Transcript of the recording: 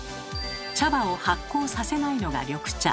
茶葉を発酵させないのが緑茶。